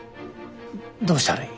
どうしたらいい？